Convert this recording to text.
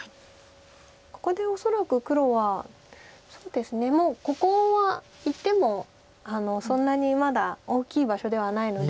ここで恐らく黒はもうここはいってもそんなにまだ大きい場所ではないので。